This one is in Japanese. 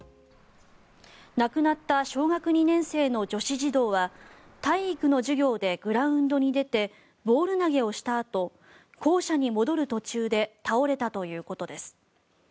亡くなった小学２年生の女子児童は体育の授業でグラウンドに出てボール投げをしたあと校舎に戻る途中で倒れたということです。